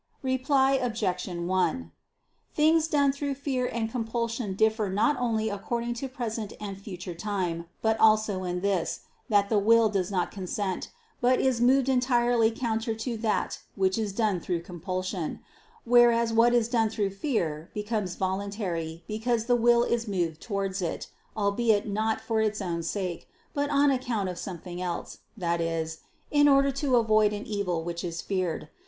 Reply Obj. 1: Things done through fear and compulsion differ not only according to present and future time, but also in this, that the will does not consent, but is moved entirely counter to that which is done through compulsion: whereas what is done through fear, becomes voluntary, because the will is moved towards it, albeit not for its own sake, but on account of something else, that is, in order to avoid an evil which is feared.